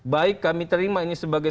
baik kami terima ini sebagai